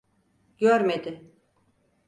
Görmedi.